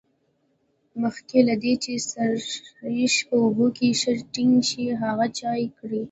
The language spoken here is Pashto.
مخکې له دې چې سريښ په اوبو کې ښه ټینګ شي هغه چاڼ کړئ.